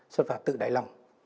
sắp phải tự đại lòng